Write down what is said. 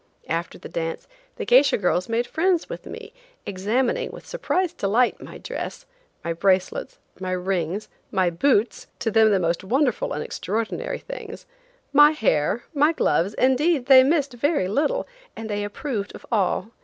After the dance the geisha girls made friends with me, examining, with surprised delight, my dress, my bracelets, my rings, my boots–to them the most wonderful and extraordinary things,–my hair, my gloves, indeed they missed very little, and they approved of all.